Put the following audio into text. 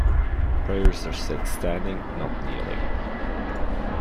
Prayers are said standing, not kneeling.